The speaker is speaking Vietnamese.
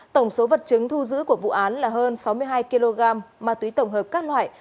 tổng số vật chứng thu giữ của vụ án là hơn sáu mươi hai kg ma túy tổng hợp các loại